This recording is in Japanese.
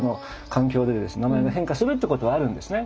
名前が変化するっていうことはあるんですね。